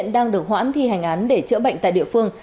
đang được hoãn thi hành án để chữa bệnh tại địa phương